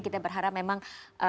kita berharap memang